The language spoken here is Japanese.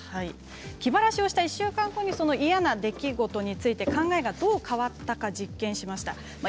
気晴らしをした１週間後に嫌な出来事について考えがどう変わったか実験しました。